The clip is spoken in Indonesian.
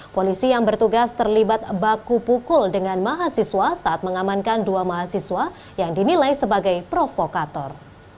polisi yang bertugas terlibat baku pukul dengan mahasiswa saat mengamankan dua mahasiswa yang dinilai sebagai provokator